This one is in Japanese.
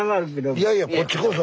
いやいやこっちこそ。